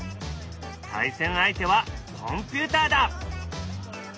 対戦相手はコンピューターだ。